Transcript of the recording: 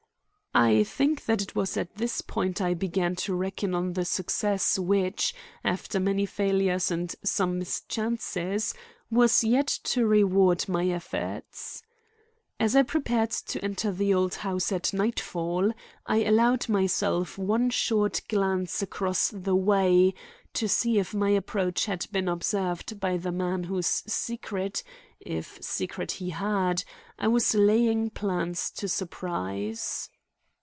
I think that it was at this point I began to reckon on the success which, after many failures and some mischances, was yet to reward my efforts. As I prepared to enter the old house at nightfall, I allowed myself one short glance across the way to see if my approach had been observed by the man whose secret, if secret he had, I was laying plans to surprise.